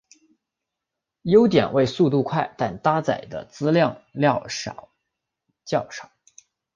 优点为速度快但搭载的资料量较少。